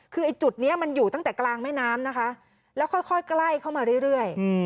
คือไอ้จุดนี้มันอยู่ตั้งแต่กลางแม่น้ำนะคะแล้วค่อยใกล้เข้ามาเรื่อย